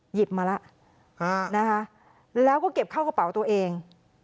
หยิบมาแล้วนะคะแล้วก็เก็บเข้ากระเป๋าตัวเอง